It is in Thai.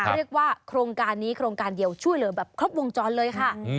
เรียกว่าโครงการนี้โครงการเดียวช่วยเหลือแบบครบวงจรเลยค่ะ